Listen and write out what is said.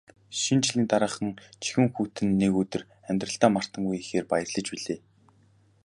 Шинэ жилийн дараахан жихүүн хүйтэн нэг өдөр амьдралдаа мартамгүй ихээр баярлаж билээ.